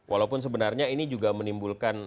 walaupun sebenarnya ini juga menimbulkan